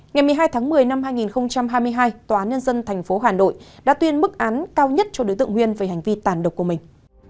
ngày một mươi hai tháng một mươi năm hai nghìn hai mươi hai tòa án nhân dân tp hà nội đã tuyên mức án cao nhất cho đối tượng huyên về hành vi tàn độc của mình